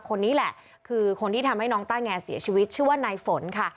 คนนี้แหละคือคนที่ทำให้น้องต้าแงเสียชีวิตชื่อว่านายฝนค่ะ